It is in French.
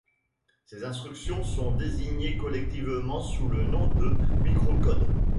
Ces instructions sont désignées collectivement sous le nom de microcodes.